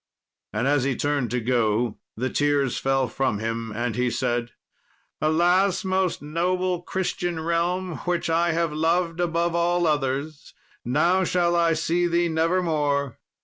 And as he turned to go, the tears fell from him, and he said, "Alas, most noble Christian realm, which I have loved above all others, now shall I see thee never more!"